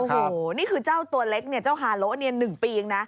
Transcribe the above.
โอ้โฮนี่คือเจ้าตัวเล็กเจ้าหารโหลเรียน๑ปียังนะ